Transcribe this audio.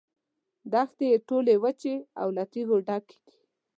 دښتې یې ټولې وچې او له تیږو ډکې دي.